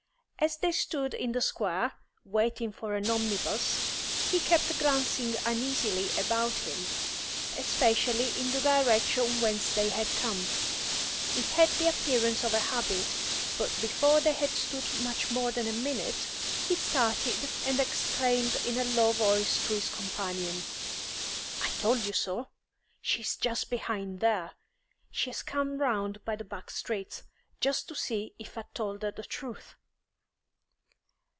As they stood in the Square, waiting for an omnibus, he kept glancing uneasily about him, especially in the direction whence they had come. It had the appearance of a habit, but before they had stood much more than a minute, he started and exclaimed in a low voice to his companion "I told you so. She is just behind there. She has come round by the back streets, just to see if I'd told her the truth."